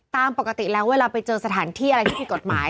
ตามปกติแล้วเวลาไปเจอสถานที่อะไรที่ผิดกฎหมาย